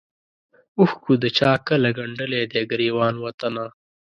اوښکو د چا کله ګنډلی دی ګرېوان وطنه